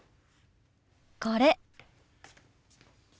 これ。